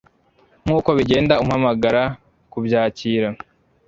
nkuko bigenda, umpamagara kubyakira